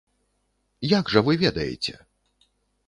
Як жа вы ведаеце?